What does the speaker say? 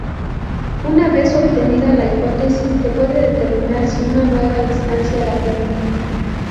Una vez obtenida la hipótesis se puede determinar si una nueva instancia la cumple.